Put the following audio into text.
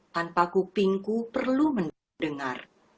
tanpa kupingku perlu mendengar